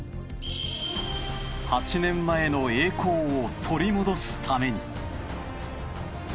８年前の栄光を取り戻すために。